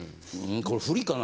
これ振りかな？